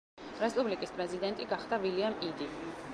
რესპუბლიკის პრეზიდენტი გახდა ვილიამ იდი.